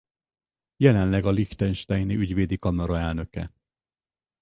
Jelenleg a liechtensteini ügyvédi kamara elnöke.